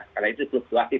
karena itu fluktuatif ya